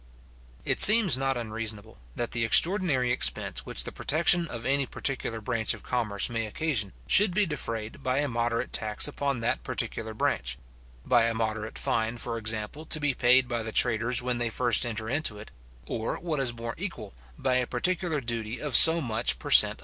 It seems not unreasonable, that the extraordinary expense which the protection of any particular branch of commerce may occasion, should be defrayed by a moderate tax upon that particular branch; by a moderate fine, for example, to be paid by the traders when they first enter into it; or, what is more equal, by a particular duty of so much per cent.